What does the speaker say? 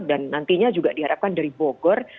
dan nantinya juga diharapkan dari bogor